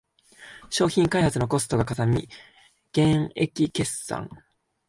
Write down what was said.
商品開発のコストがかさみ減益決算